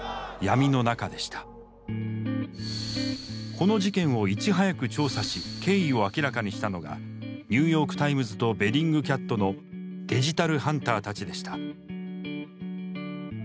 この事件をいち早く調査し経緯を明らかにしたのがニューヨーク・タイムズとベリングキャットのデジタルハンターたちでした。